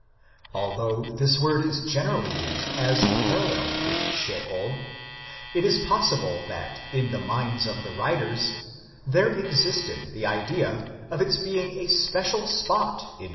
Although this word is generally used as parallel with Sheol, it is possible that in the minds of the writers there existed the idea of its being a special spot in Sheol 1 Cp.